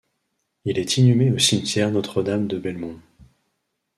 Il est inhumé au cimetière Notre-Dame-de-Belmont.